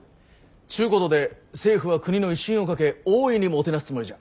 ちゅうことで政府は国の威信をかけ大いにもてなすつもりじゃ。